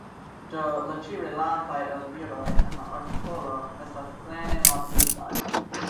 Do la ĉi-rilataj eldiroj en la artikolo estas plene malĝustaj.